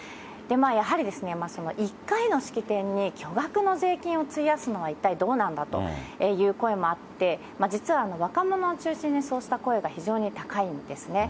やはり１回の式典に、巨額の税金を費やすのは一体どうなんだという声もあって、実は若者を中心にそうした声が非常に高いんですね。